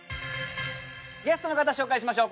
ゲストの方紹介しましょう。